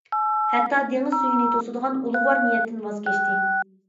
ھەتتا دېڭىز سۈيىنى توسىدىغان ئۇلۇغۋار نىيەتتىن ۋاز كەچتى.